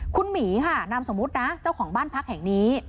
คุณหมีค่ะนามสมมุตินะเจ้าของบ้านพักแห่งนี้